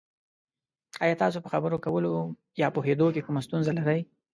ایا تاسو په خبرو کولو یا پوهیدو کې کومه ستونزه لرئ؟